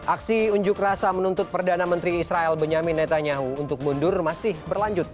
aksi unjuk rasa menuntut perdana menteri israel benyamin netanyahu untuk mundur masih berlanjut